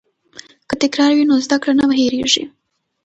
که تکرار وي نو زده کړه نه هېریږي.